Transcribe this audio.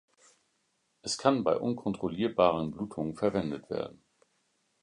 Es kann bei unkontrollierbaren Blutungen verwendet werden.